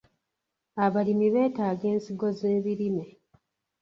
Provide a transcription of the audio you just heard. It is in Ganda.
Abalimi beetaaga ensigo z'ebirime.